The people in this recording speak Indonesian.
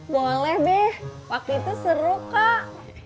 boleh deh waktu itu seru kak